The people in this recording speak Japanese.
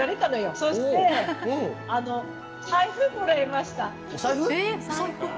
そして、財布をもらいました。